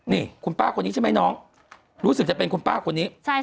นี่คุณป้าคนนี้ใช่ไหมน้องรู้สึกจะเป็นคุณป้าคนนี้